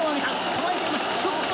捕らえています。